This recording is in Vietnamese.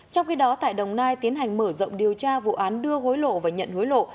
trong khi đó tại đồng nai tiến hành mở rộng điều tra vụ án đưa hối lộ và nhận hối lộ